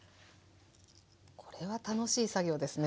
これは楽しい作業ですね。